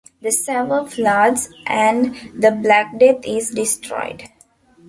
The sewer floods and the Black Death is destroyed.